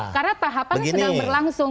karena tahapan sedang berlangsung